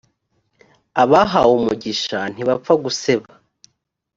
abahawe umugisha ntibapfaguseba.